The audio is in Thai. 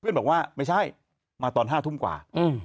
บอกว่าไม่ใช่มาตอน๕ทุ่มกว่า